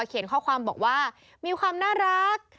เขียนข้อความบอกว่ามีความน่ารัก